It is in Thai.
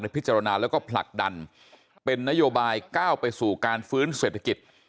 พิจารณาแล้วก็ผลักดันเป็นนโยบายก้าวไปสู่การฟื้นเศรษฐกิจ